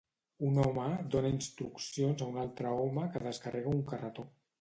Un home dona instruccions a un altre home que descarrega un carretó.